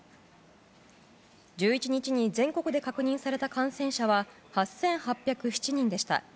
１１日に全国で確認された感染者は８８０７人でした。